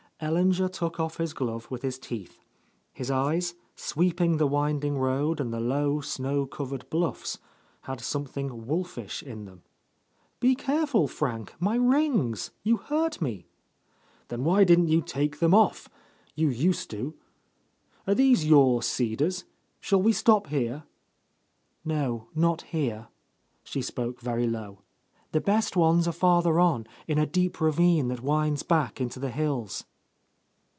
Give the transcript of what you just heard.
Ellinger took off his glove with his teeth. His eyes, sweeping the winding road and the low, snow covered bluffs, had something wolfish in them. "Be careful, Frank. My rings! You hurt me!" "Then why didn't you take them off? You used to. Are these your cedars, shall we stop here ?" "No, not here." She spoke very low. "The best ones are farther on, in a deep ravine that winds back into the hills."